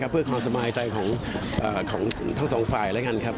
เพื่อความสบายใจของทั้งสองฝ่ายแล้วกันครับ